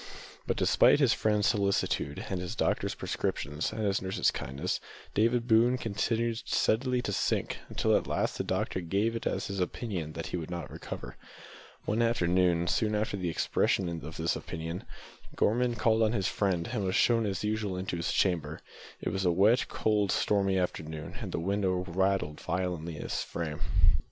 But, despite his friend's solicitude, and his doctor's prescriptions, and his nurse's kindness, David Boone continued steadily to sink, until at last the doctor gave it as his opinion that he would not recover. One afternoon, soon after the expression of this opinion, Gorman called on his friend, and was shown as usual into his chamber. It was a wet, cold, stormy afternoon, and the window rattled violently in its frame.